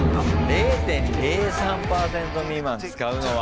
０．０３％未満使うのは！